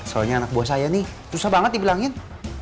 soalnya anak buah saya nih susah banget dibilangin